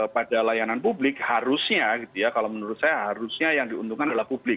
pada layanan publik harusnya gitu ya kalau menurut saya harusnya yang diuntungkan adalah publik